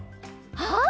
あっ！